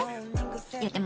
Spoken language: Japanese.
いやでも。